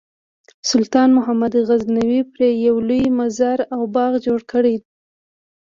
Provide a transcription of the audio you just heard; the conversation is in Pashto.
سلطان محمود غزنوي پرې یو لوی مزار او باغ جوړ کړ.